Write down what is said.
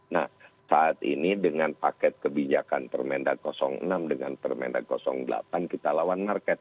nah saat ini dengan paket kebijakan permendak enam dengan permendak delapan kita lawan market